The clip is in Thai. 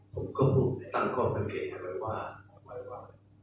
ผมก็ตั้งข้อมันเขียนให้บอกว่า